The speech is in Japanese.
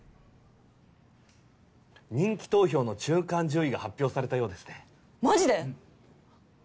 人気投票の中間順位が発表されたようですねマジで？